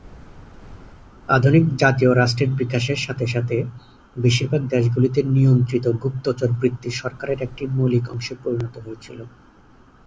আধুনিক জাতীয় রাষ্ট্রের বিকাশের সাথে সাথে, বেশিরভাগ দেশগুলিতে নিয়ন্ত্রিত গুপ্তচরবৃত্তি সরকারের একটি মৌলিক অংশে পরিণত হয়েছিল।